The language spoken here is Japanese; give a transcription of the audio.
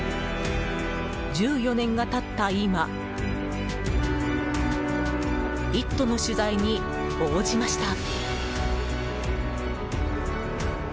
１４年が経った今「イット！」の取材に応じました。